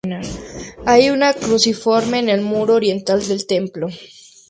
Hay una cruciforme en el muro oriental del templo.